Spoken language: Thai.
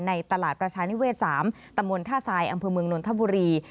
ในตลาดประชานิเวศ๓ตำบลท่าทรายอำเภอเมืองนนทบุรี